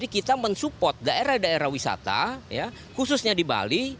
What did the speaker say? kita mensupport daerah daerah wisata khususnya di bali